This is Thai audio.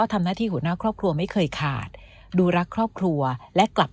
ทำหน้าที่หัวหน้าครอบครัวไม่เคยขาดดูรักครอบครัวและกลับ